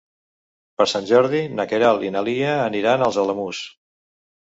Per Sant Jordi na Queralt i na Lia aniran als Alamús.